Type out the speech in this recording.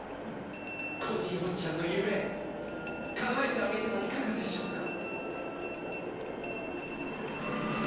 コーディぼっちゃんのゆめかなえてあげてはいかがでしょうか？